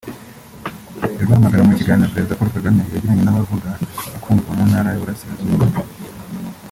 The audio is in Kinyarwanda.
I Rwamagana – Mu kiganiro Perezida Paul Kagame yagiranye n’abavuga bakumvwa mu Ntara y’Uburasirazuba